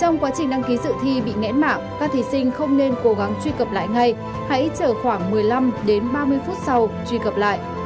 trong quá trình đăng ký sự thi bị ngẽn mạng các thí sinh không nên cố gắng truy cập lại ngay hãy chờ khoảng một mươi năm đến ba mươi phút sau truy cập lại